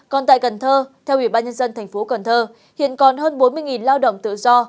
còn tại cần thơ theo ủy ban nhân dân thành phố cần thơ hiện còn hơn bốn mươi lao động tự do